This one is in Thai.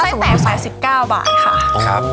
ไส้แตก๓๙บาทค่ะ